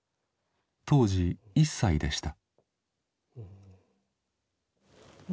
当時１歳でした。